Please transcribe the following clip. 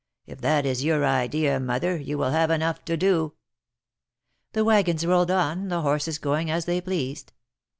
If that is your idea. Mother, you will have enough to do." The wagons rolled on, the horses going as they pleased.